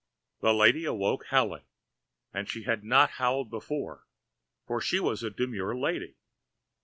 The lady awoke howling. And she had not howled before, for she was a demure lady.